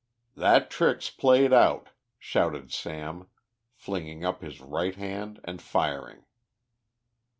"That trick's played out," shouted Sam, flinging up his right hand and firing.